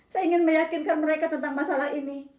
saya ingin meyakinkan mereka tentang masalah ini